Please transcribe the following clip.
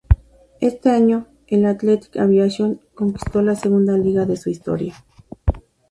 Ese año, el Athletic Aviación conquistó la segunda liga de su historia.